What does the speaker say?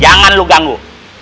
jangan lo ganggu